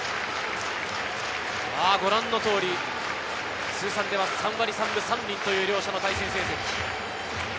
ご覧の通り、通算では３割３分３厘という両者の対戦成績。